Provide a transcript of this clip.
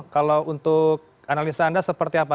kalau untuk analisa anda seperti apa